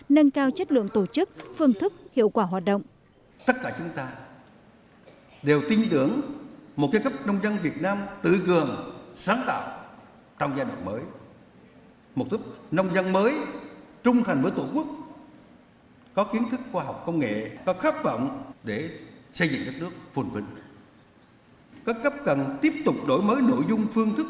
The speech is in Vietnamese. nâng cao chất lượng tổ chức phương thức hiệu quả hoạt động